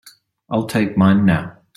I'll take mine now.